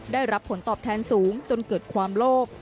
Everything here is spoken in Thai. ได้รับผลตอบแทนสูงจนเกิดความโลภ